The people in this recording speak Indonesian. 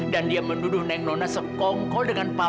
dan dia menuduh neng nona sekongkol dengan papa